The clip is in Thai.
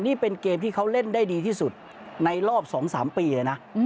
นี่เป็นเกมที่เขาเล่นได้ดีที่สุดในรอบ๒๓ปีเลยนะ